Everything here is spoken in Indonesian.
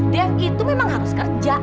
dev itu memang harus kerja